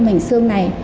mảnh sương này